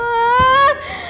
ke pewadaan tadi